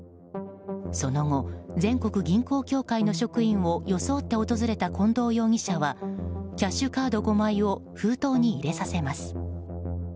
その後、全国銀行協会の職員を装って訪れた近藤容疑者はキャッシュカード５枚を封筒に入れさせます。